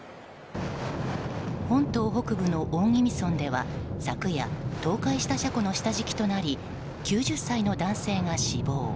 本島北部の大宜味村では昨夜倒壊した車庫の下敷きとなり９０歳の男性が死亡。